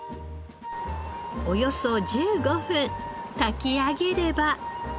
およそ１５分炊き上げれば。